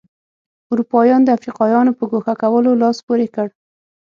اروپایانو د افریقایانو په ګوښه کولو لاس پورې کړ.